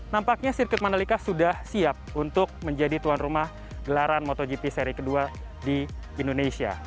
nampaknya sirkuit mandalika sudah siap untuk menjadi tuan rumah gelaran motogp seri kedua di indonesia